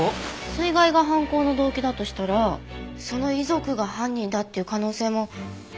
水害が犯行の動機だとしたらその遺族が犯人だっていう可能性も。